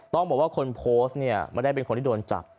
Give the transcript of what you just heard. ต้องบอกว่าคนโพสต์เนี่ยไม่ได้เป็นคนที่โดนจับ